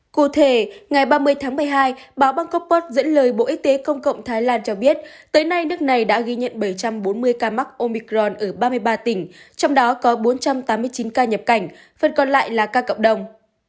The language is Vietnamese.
cụ thể ngày ba mươi tháng một mươi hai báo bangkok pot dẫn lời bộ y tế công cộng thái lan cho biết tới nay nước này đã ghi nhận bảy trăm bốn mươi ca mắc omicron ở ba mươi ba tỉnh trong đó có bốn trăm tám mươi chín ca nhập cảnh phần còn lại là ca cộng đồng